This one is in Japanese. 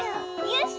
よし！